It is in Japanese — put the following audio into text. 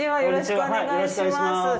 よろしくお願いします。